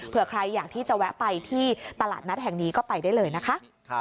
เพื่อใครอยากที่จะแวะไปที่ตลาดนัดแห่งนี้ก็ไปได้เลยนะคะ